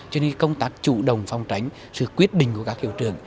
cho nên công tác chủ động phòng tránh sự quyết định của các hiệu trường